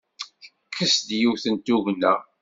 Tekkes-d yiwet n tugna.